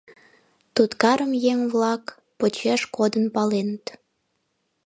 Туткарым еҥ-влак почеш кодын паленыт.